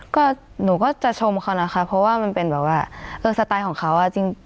ก็หนูก็จะชมเขานะคะเพราะว่ามันเป็นแบบว่าเออสไตล์ของเขาอ่ะจริง